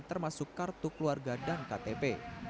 termasuk kartu keluarga dan ktp